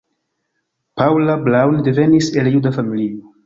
Paula Braun devenis el juda familio.